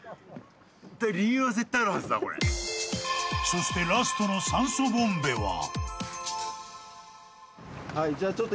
［そしてラストの酸素ボンベは］